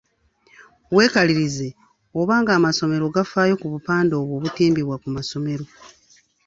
Weekalirize oba ng’amasomero gafaayo ku bupande obwo obutimbibwa ku masomero.